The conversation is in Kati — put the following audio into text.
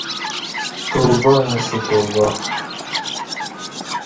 توبہ ییستہ توبہ